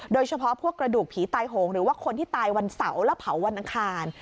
โดยเฉพาะพวกกระดูกผีตายโหงหรือว่าคนที่ตายวันเสาร์และเผาวันอังคาร